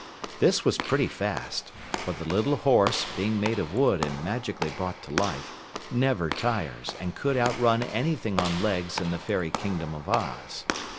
This was pretty fast, for the little horse, being made of wood and magically brought to life, never tires and could outrun anything on legs in the fairy Kingdom of Oz.